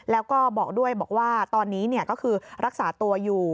แล้วก็บอกด้วยบอกว่าตอนนี้ก็คือรักษาตัวอยู่